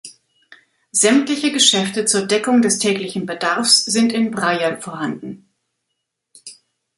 Sämtliche Geschäfte zur Deckung des täglichen Bedarfs sind in Breyell vorhanden.